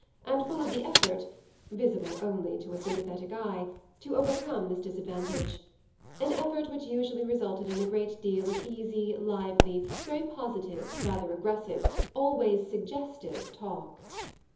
and full of the effort (visible only to a sympathetic eye) to overcome this disadvantage; an effort which usually resulted in a great deal of easy, lively, very positive, rather aggressive, always suggestive talk.